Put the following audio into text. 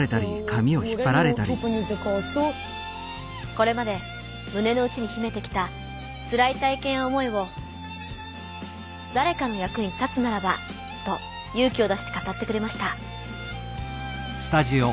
これまで胸のうちに秘めてきたつらい体験や思いを誰かの役に立つならばと勇気を出して語ってくれました。